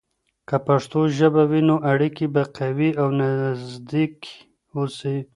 که پښتو ژبه وي، نو اړیکې به قوي او نزدیک اوسي.